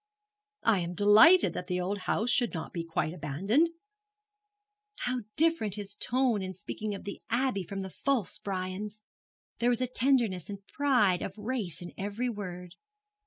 'I am delighted that the old house should not be quite abandoned.' How different his tone in speaking of the Abbey from the false Brian's! There was tenderness and pride of race in every word.